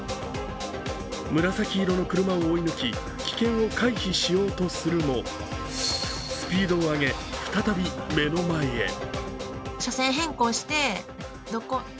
紫色の車を追い抜き危険を回避しようとするもスピードを上げ、再び目の前へ。